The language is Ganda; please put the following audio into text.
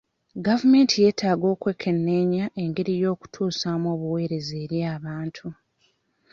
Gavumenti yetaaga okwekenneenya engeri y'okutusaamu obuweereza eri abantu.